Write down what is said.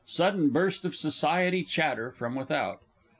Sudden burst of Society Chatter from without.